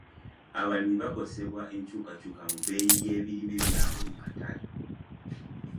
Abalimi bakosebwa enkyukakyuka mu bbeeyi y'ebirime byabwe mu katale.